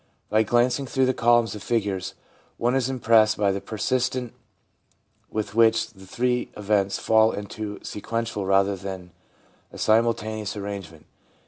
By glancing through the columns of figures, one is impressed by the persistence with which the three events fall into a sequential rather than a simultaneous arrangement.